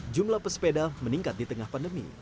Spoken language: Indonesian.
jumlah pesepeda meningkat di tengah pandemi